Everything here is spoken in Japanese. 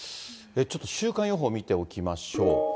ちょっと週間予報見ておきましょう。